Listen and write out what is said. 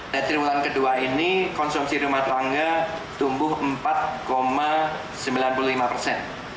dan di bulan kedua ini konsumsi rumah tangga tumbuh empat sembilan puluh lima persen